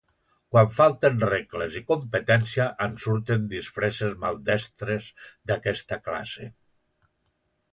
Quan falten regles i competència en surten disfresses maldestres d'aquesta classe.